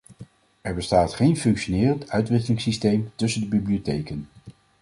Er bestaat geen functionerend uitwisselingssysteem tussen de bibliotheken.